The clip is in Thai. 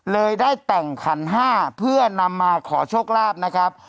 ได้แต่งขันห้าเพื่อนำมาขอโชคลาภนะครับ